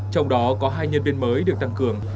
trong đó có hai nhân viên mới được tăng cường